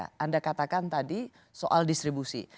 saya katakan tadi soal distribusi